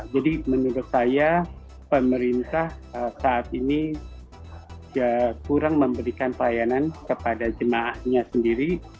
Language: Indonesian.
jadi menurut saya pemerintah saat ini kurang memberikan pelayanan kepada jemaahnya sendiri